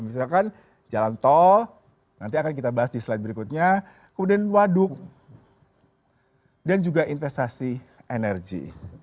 misalkan jalan tol nanti akan kita bahas di slide berikutnya kemudian waduk dan juga investasi energi